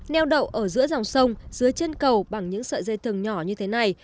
neo đậu ở giữa dòng sông dưới chân cầu bằng những sợi dây thừng nhỏ như thế này